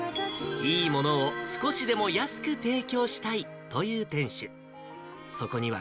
いいものを少しでも安く提供したいという店主。